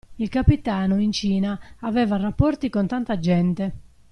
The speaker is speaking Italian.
Il capitano, in Cina, aveva rapporti con tanta gente.